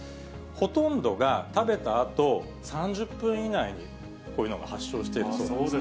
ほとんどが食べたあと、３０分以内に、こういうのが発症しているそうです。